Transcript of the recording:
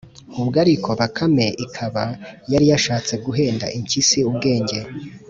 Ubwo ariko Bakame ikaba yari yashatse guhenda impyisi ubwenge